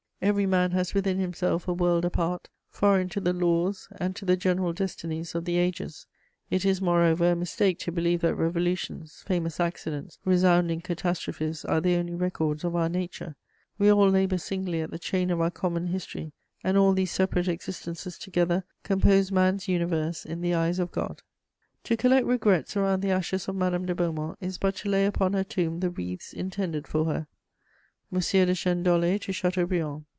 Every man has within himself a world apart, foreign to the laws and to the general destinies of the ages. It is, moreover, a mistake to believe that revolutions, famous accidents, resounding catastrophes are the only records of our nature: we all labour singly at the chain of our common history, and all these separate existences together compose man's universe in the eyes of God. [Sidenote: Letters of sympathy.] To collect regrets around the ashes of Madame de Beaumont is but to lay upon her tomb the wreaths intended for her: M. DE CHÊNEDOLLÉ TO CHATEAUBRIAND.